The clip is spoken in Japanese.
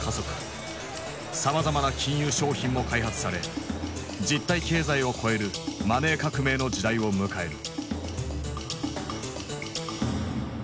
さまざまな金融商品も開発され実体経済を超える「マネー革命」の時代を迎える。